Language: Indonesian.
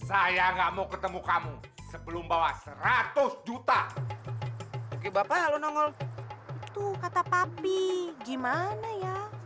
saya nggak mau ketemu kamu sebelum bawa seratus juta oke bapak lalu nongol tuh kata papi gimana ya